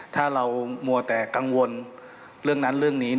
ถ้าเรามัวแต่กังวลเรื่องนั้นเรื่องนี้